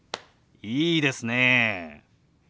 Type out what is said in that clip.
いいですねえ。